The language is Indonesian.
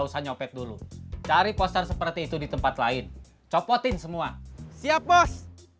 usah nyopek dulu cari poster seperti itu di tempat lain copotin semua siap bos